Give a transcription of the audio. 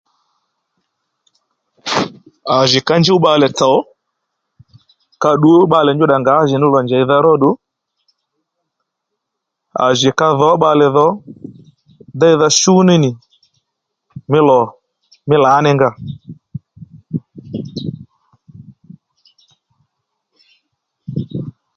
À jì ka njúw bbalè tsòw ka ddǔ bbalè nyúddà ngǎjìní lò njèydha róddù à jì ka dhǒ bbalè dho déydha shú ní nì mí lò mí lǎní nga